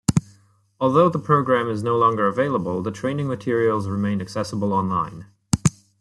Although the program is no longer available, the training materials remain accessible online.